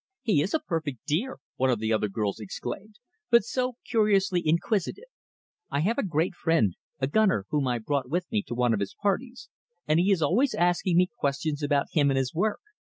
"He is a perfect dear," one of the other girls exclaimed, "but so curiously inquisitive! I have a great friend, a gunner, whom I brought with me to one of his parties, and he is always asking me questions about him and his work.